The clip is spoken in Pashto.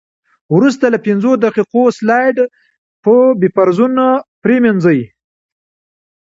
وروسته له پنځو دقیقو سلایډ په بفرونو پرېمنځئ.